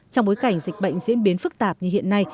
trong bối cảnh dịch bệnh diễn biến phức tạp như hiện nay